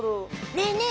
ねえねえ